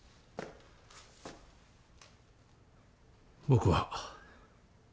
僕は。